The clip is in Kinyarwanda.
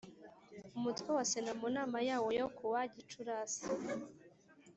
Umutwe wa Sena mu nama yawo yo kuwa Gicurasi